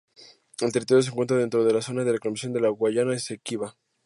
El territorio se encuentra dentro de la zona en reclamación de la Guayana Esequiba.